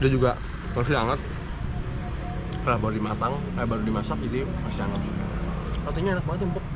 juga pasti hangat hai berubah dimasak hei di engagement menurutnya enak banget